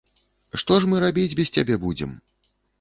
Што ж мы рабіць без цябе будзем?